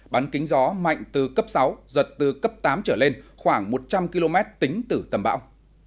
bán kính gió mạnh từ cấp sáu giật từ cấp tám trở lên khoảng một trăm linh km tính từ tâm bão